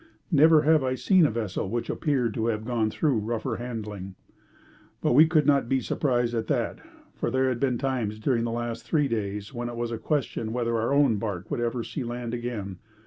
Never have I seen a vessel which appeared to have gone through rougher handling. But we could not be surprised at that, for there had been times during the last three days when it was a question whether our own barque would ever see land again.